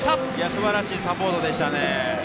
素晴らしいサポートでしたね。